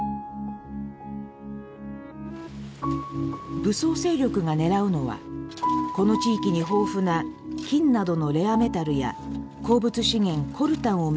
武装勢力が狙うのはこの地域に豊富な金などのレアメタルや鉱物資源コルタンをめぐる利権です。